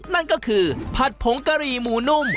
นั่นก็คือผัดผงกะหรี่หมูนุ่ม